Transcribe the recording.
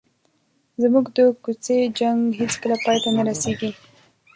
زموږ د کوڅې جنګ هېڅکله پای ته نه رسېږي.